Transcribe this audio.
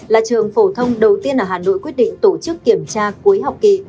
là trường phổ thông đầu tiên ở hà nội quyết định tổ chức kiểm tra cuối học kỳ